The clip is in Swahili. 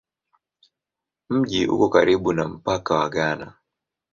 Mji uko karibu na mpaka wa Ghana.